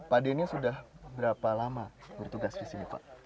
pak denny sudah berapa lama bertugas di sini pak